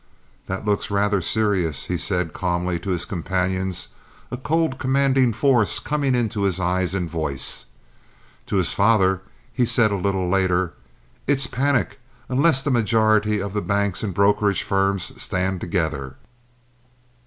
"That looks rather serious," he said, calmly, to his companions, a cold, commanding force coming into his eyes and voice. To his father he said a little later, "It's panic, unless the majority of the banks and brokerage firms stand together."